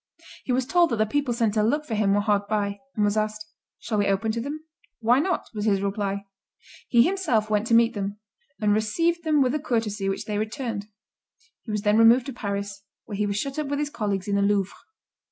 He was told that the people sent to look for him were hard by, and was asked, "Shall we open to them?" "Why not?" was his reply. He himself went to meet them, and received them with a courtesy which they returned. He was then removed to Paris, where he was shut up with his colleagues in the Louvre.